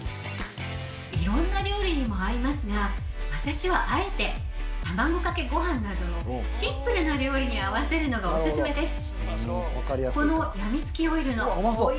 ◆いろんな料理にも合いますが私はあえて、卵かけごはんなどのシンプルな料理に合わせるのがオススメです。